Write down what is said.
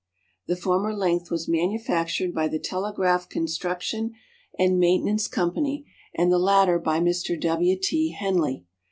The former length was manufactured by the Telegraph Construction and Maintenance Company, and the latter by Mr. W. T. Henley.